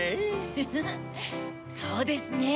フフフっそうですね。